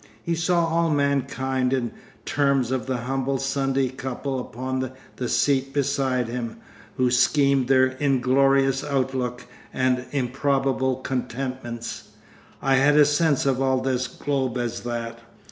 He saw all mankind in terms of the humble Sunday couple upon the seat beside him, who schemed their inglorious outlook and improbable contentments. 'I had a sense of all this globe as that.